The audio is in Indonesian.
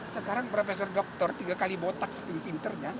sekarang prof doktor tiga kali botak setinggung pinternya